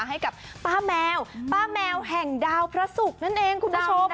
ให้กับป้าแมวป้าแมวแห่งดาวพระศุกร์นั่นเองคุณผู้ชม